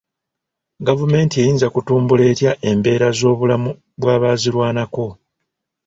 Gavumenti eyinza kutumbukla etya embera z'obulamu bw'abaazirwanako?